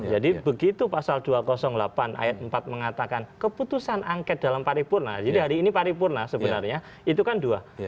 jadi begitu pasal dua ratus delapan ayat empat mengatakan keputusan angket dalam paripurna jadi hari ini paripurna sebenarnya itu kan dua